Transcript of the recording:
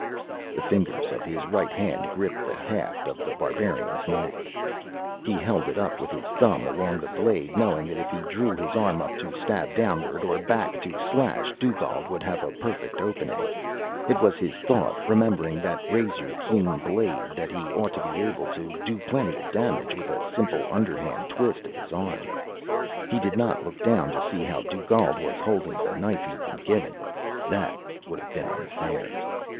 The fingers of his right hand gripped the haft of The Barbarian's knife. He held it with his thumb along the blade, knowing that if he drew his arm up, to stab downward, or back, to slash, Dugald would have a perfect opening. It was his thought, remembering that razor keen blade, that he ought to be able to do plenty of damage with a simple underhand twist of his arm. He did not look down to see how Dugald was holding the knife he'd been given. That would have been unfair.